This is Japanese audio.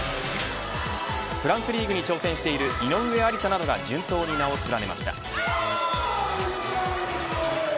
フランスリーグに挑戦している井上愛里沙などが順当に名を連ねました。